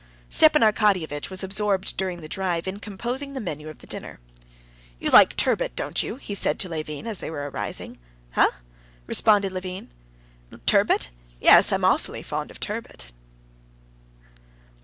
Stepan Arkadyevitch was absorbed during the drive in composing the menu of the dinner. "You like turbot, don't you?" he said to Levin as they were arriving. "Eh?" responded Levin. "Turbot? Yes, I'm awfully fond of turbot."